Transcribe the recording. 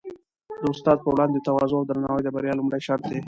د استاد په وړاندې تواضع او درناوی د بریا لومړی شرط دی.